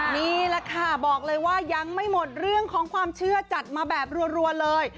นี่แหละค่ะบอกเลยว่ายังไม่หมดเรื่องของความเชื่อจัดมาแบบรัวเลย